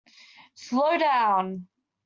Slow down!